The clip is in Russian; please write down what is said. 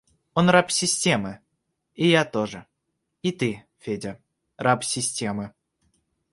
Он раб системы и я тоже. И ты, Федя, раб системы.